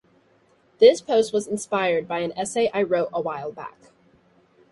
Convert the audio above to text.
This post was inspired by an essay I wrote a while back.